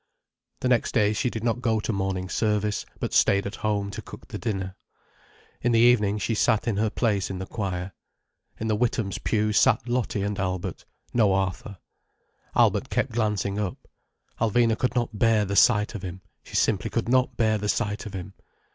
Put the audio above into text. The next day she did not go to Morning Service, but stayed at home to cook the dinner. In the evening she sat in her place in the choir. In the Withams' pew sat Lottie and Albert—no Arthur. Albert kept glancing up. Alvina could not bear the sight of him—she simply could not bear the sight of him.